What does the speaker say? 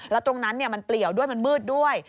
แล้วตรงนั้นมันเปลี่ยวด้วยมันมืดด้วย